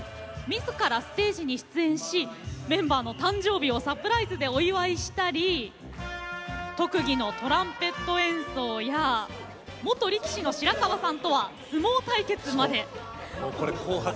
みずからステージに出演しメンバーの誕生日をサプライズでお祝いしたり特技のトランペット演奏や元力士の白川さんとは相撲対決まで。